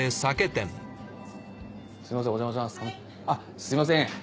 ああすみません。